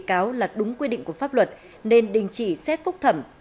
hội đồng xét xử thấy đơn kháng cáo là đúng quy định của pháp luật nên đình chỉ xét phúc thẩm